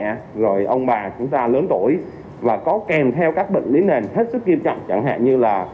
có các ba mẹ rồi ông bà chúng ta lớn tuổi và có kèm theo các bệnh lý nền hết sức kiên trọng chẳng hạn như là